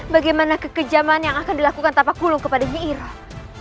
bagaimana kekejaman yang akan dilakukan tapak mulu kepada nyi iroh